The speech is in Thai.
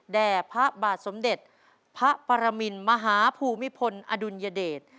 แด่พระบาทสมเด็จพระปรมินมหาภูมิพลอดุลยเดช